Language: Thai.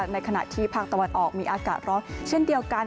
ในขณะที่ภาคตะวันออกมีอากาศร้อนเช่นเดียวกัน